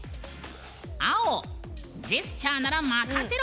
青、ジェスチャーなら任せろ！